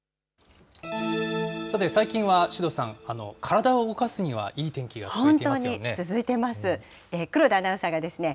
さて、最近は首藤さん、体を動かすにはいい天気が続いていますよね。